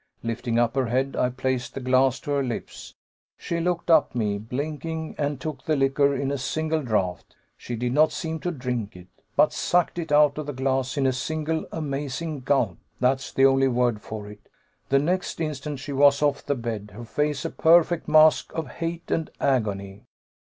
Lifting up her head, I placed the glass to her lips. She looked up me, blinking, and took the liquor in a single draught. She did not seem to drink it, but sucked it out of the glass in a single amazing gulp that's the only word for it. The next instant she was off the bed, her face a perfect mask of hate and agony.